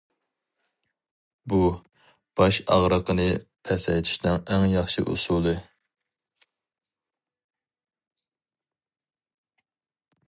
بۇ، باش ئاغرىقىنى پەسەيتىشنىڭ ئەڭ ياخشى ئۇسۇلى.